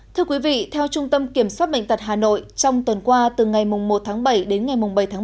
thưa quý vị theo trung tâm kiểm soát bệnh tật hà nội trong tuần qua từ ngày một tháng bảy đến ngày bảy tháng bảy